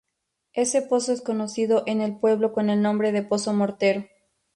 Ese pozo es conocido en el pueblo con el nombre de Pozo Mortero.